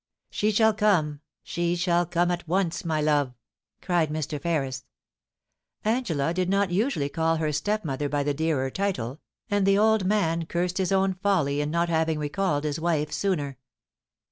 * She shall come ; she shall come at once, my love,' cried Mr. Ferris. Angela did not usually call her stepmother by joo POLICY AND PASSION. the dearer title, and the old man cursed his own folly in not having recalled his ¥rife sooner.